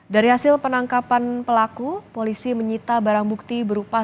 dari hasil penangkapan pelaku polisi menyita barang bukti berupa